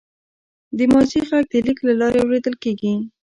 د ماضي غږ د لیک له لارې اورېدل کېږي.